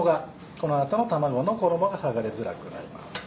この後の卵の衣が剥がれづらくなります。